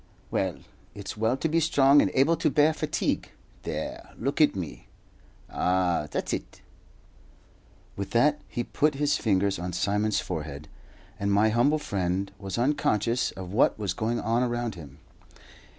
Well, it's well to be strong and able to bear fatigue. There, look at me. Ah, that's it!" With that he put his fingers on Simon's forehead, and my humble friend was unconscious of what was going on around him.